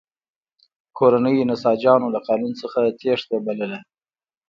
کورنیو نساجانو له قانون څخه تېښته بلله.